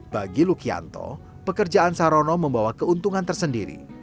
bagi lukianto pekerjaan sarono membawa keuntungan tersendiri